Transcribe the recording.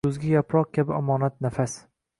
Kuzgi yaproq kabi omonat nafas.